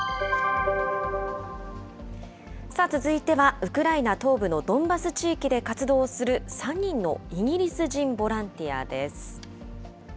続いては、ウクライナ東部のドンバス地域で活動する３人のイギリス人ボランティアです。